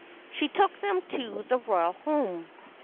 She took them to the royal home.